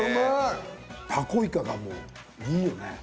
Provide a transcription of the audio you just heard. タコイカがもういいよね。